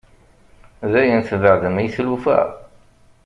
Dayen tbeɛɛdem i tlufa?